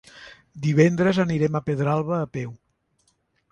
Divendres anirem a Pedralba a peu.